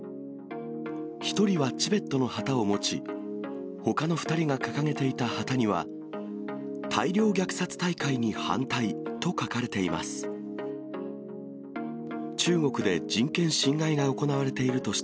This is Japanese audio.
１人はチベットの旗を持ち、ほかの２人が掲げていた旗には、大量虐殺大会に反対と書かれています。